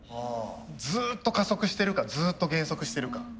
ずっと加速してるかずっと減速してるか。